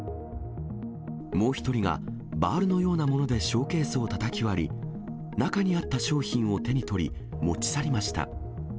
もう１人がバールのようなものでショーケースをたたき割り、中にあった商品を手に取り、持ち去りました。